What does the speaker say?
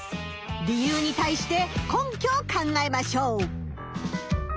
理由に対して根拠を考えましょう。